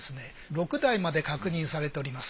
６代まで確認されております。